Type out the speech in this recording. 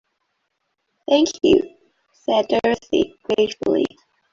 "Thank you," said Dorothy, gratefully.